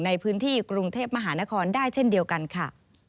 ในพื้นที่กรุงเทพมหานครได้เช่นเดียวกันค่ะ